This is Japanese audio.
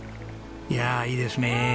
いやいいですね。